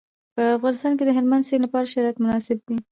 په افغانستان کې د هلمند سیند لپاره شرایط مناسب دي.